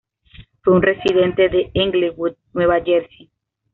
Fue un residente de Englewood, Nueva Jersey.